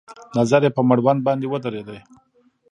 نظر يې په مړوند باندې ودرېد.